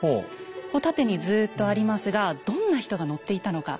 こう縦にずっとありますがどんな人が乗っていたのか。